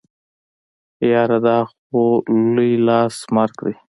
يره دا خو لوی لاس مرګ دی.